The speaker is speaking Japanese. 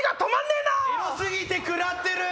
エロ過ぎて食らってる！